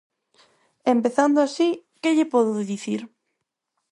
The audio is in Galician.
Empezando así, ¿que lle podo dicir?